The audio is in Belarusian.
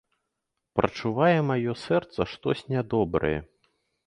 Прачувае маё сэрца штось нядобрае.